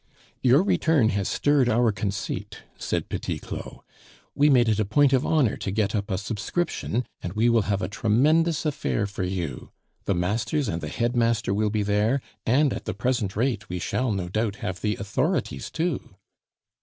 "Your return has stirred our conceit," said Petit Claud; "we made it a point of honor to get up a subscription, and we will have a tremendous affair for you. The masters and the headmaster will be there, and, at the present rate, we shall, no doubt, have the authorities too."